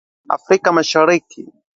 Afrika mashariki